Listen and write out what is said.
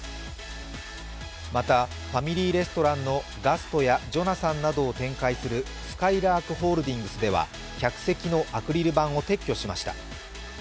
また、ファミリーレストランのガストやジョナサンなどを展開するすかいらーくホールディングスでは客席のアクリル板を撤去しました。